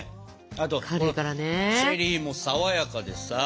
あとチェリーも爽やかでさ。